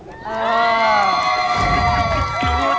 ในใจกลัวไม่กล้าไป